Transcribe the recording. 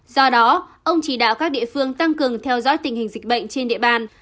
do đó ông chỉ đạo các địa phương tăng cường theo dõi tình hình dịch bệnh trên địa bàn